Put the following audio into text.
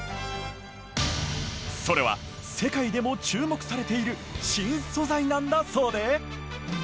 それは世界でも注目されている新素材なんだそうで。